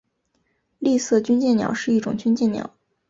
丽色军舰鸟是一种军舰鸟。